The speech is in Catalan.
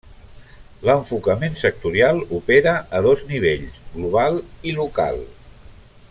L'enfocament sectorial opera a dos nivells: global i local.